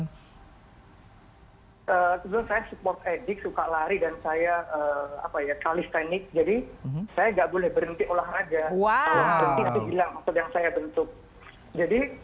apakah mungkin bekerja seperti itu atau memang ada kegiatan kegiatan lain juga yang dilakukan